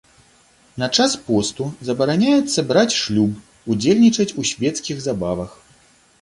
На час посту забараняецца браць шлюб, удзельнічаць у свецкіх забавах.